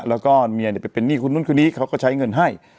แล้วก็เมียไปเป็นหนี้คนนู้นคนนี้เขาก็ใช้เงินให้